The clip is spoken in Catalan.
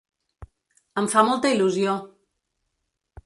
Em fa molta il·lusió!